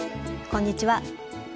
こんにちは。